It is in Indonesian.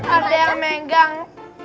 ada yang megang